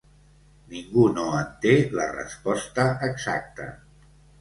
Ningú no en té la resposta exacta.